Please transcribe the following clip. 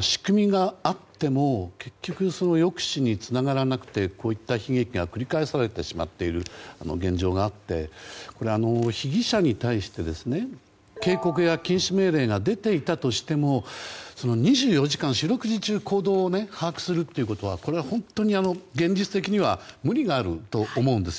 仕組みがあっても結局、その抑止につながらなくてこういった悲劇が繰り返されてしまっている現状があって被疑者に対して警告や禁止命令が出ていたとしても２４時間、四六時中行動を把握するということはこれは本当に、現実的には無理があると思うんですよ。